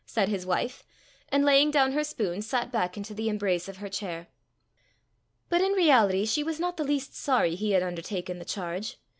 said his wife, and laying down her spoon, sat back into the embrace of her chair. But in reality she was not the least sorry he had undertaken the charge.